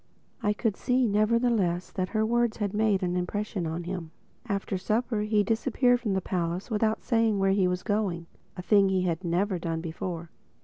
I could see, nevertheless that her words had made an impression on him. After supper he disappeared from the palace without saying where he was going—a thing he had never done before.